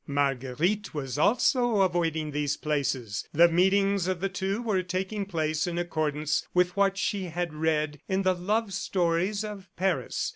Marguerite was also avoiding these places. The meetings of the two were taking place in accordance with what she had read in the love stories of Paris.